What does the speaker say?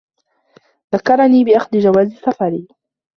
ذكّرني بأخذ جواز سفري.